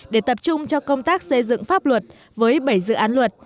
để tập trung cho công tác xây dựng pháp luật với bảy dự án luật